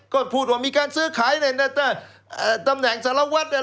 ก็พูดว่ามีการซื้อขายในตำแหน่งสารวัตร